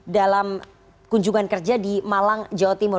dalam kunjungan kerja di malang jawa timur